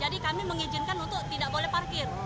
jadi kami mengizinkan untuk tidak boleh parkir